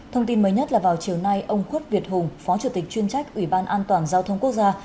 thông tin mới nhất là vào chiều nay ông khuất việt hùng phó chủ tịch chuyên trách ủy ban an toàn giao thông quốc gia